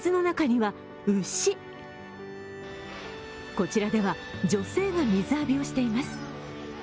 こちらでは女性が水浴びをしています。